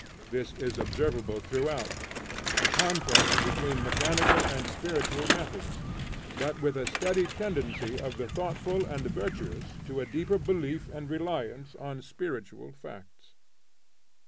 There is observable throughout, the contest between mechanical and spiritual methods, but with a steady tendency of the thoughtful and virtuous to a deeper belief and reliance on spiritual facts.